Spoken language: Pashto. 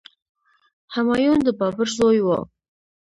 همایون د بابر زوی و.